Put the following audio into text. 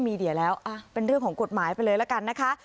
มีเดียแล้วเป็นเรื่องของกฎหมายไปเลยละกันนะคะ